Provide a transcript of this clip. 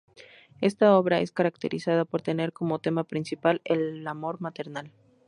Esta obra es caracterizada por tener como tema principal el amor maternal.